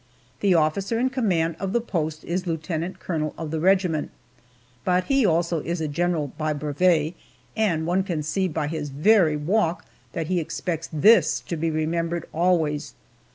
The officer in command of the post is lieutenant colonel of the regiment, but he, also, is a general by brevet, and one can see by his very walk that he expects this to be remembered always.